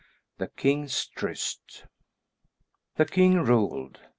THE KING'S TRYST The king ruled.